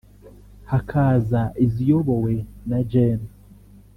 hakaza iziyobowe na Gen